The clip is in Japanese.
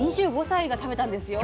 ２５歳が食べたんですよ。